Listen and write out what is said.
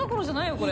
これ。